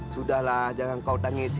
sudah lah jangan kau tangis sih